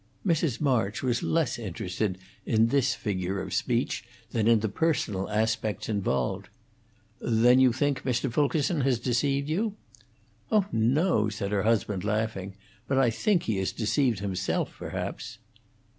Mrs. March was less interested in this figure of speech than in the personal aspects involved. "Then you think Mr. Fulkerson has deceived you?" "Oh no!" said her husband, laughing. "But I think he has deceived himself, perhaps."